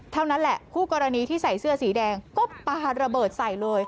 เท่านั้นแหละคู่กรณีที่ใส่เสื้อสีแดงก็ปาระเบิดใส่เลย